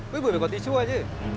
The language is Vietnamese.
bữa bưởi phải có tí chua chứ